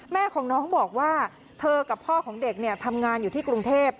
แม่ของน้องบอกว่าเธอกับพ่อของเด็กเนี่ยทำงานอยู่ที่กรุงเทพ